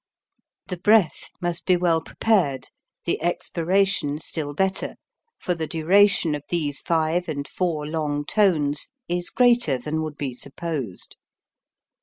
The breath must be well prepared, the expira tion still better, for the duration of these five and four long tones is greater than would be supposed.